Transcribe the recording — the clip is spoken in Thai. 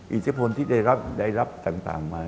อิทธิพลที่ได้รับต่างมา